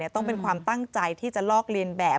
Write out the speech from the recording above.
ต้องเป็นความตั้งใจที่จะลอกเลียนแบบ